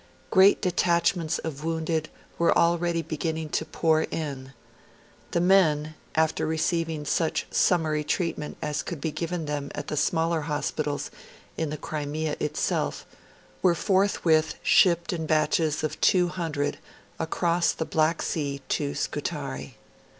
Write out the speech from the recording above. Great detachments of wounded were already beginning to pour in. The men, after receiving such summary treatment as could be given them at the smaller hospitals in the Crimea itself, were forthwith shipped in batches of 200 across the Black Sea to Scutari.